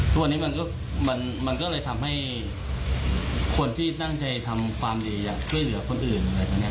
ทุกวันนี้มันก็เลยทำให้คนที่ตั้งใจทำความดีอยากช่วยเหลือคนอื่นอะไรแบบนี้